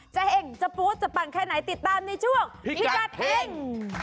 เห็งจะปู๊ดจะปังแค่ไหนติดตามในช่วงพิกัดเฮ่ง